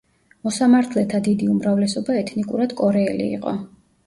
მოსამართლეთა დიდი უმრავლესობა ეთნიკურად კორეელი იყო.